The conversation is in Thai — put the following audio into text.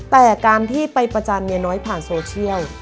แต่การที่ไปประจานเมียน้อยผ่านโซเชียล